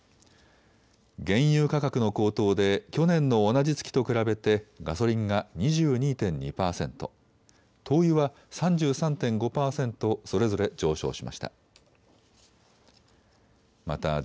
原油価格の高騰で去年の同じ月と比べてガソリンが２２．２％、灯油は３３．５％それぞれ上昇しました。